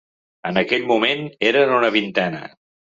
En aquell moment eren una vintena.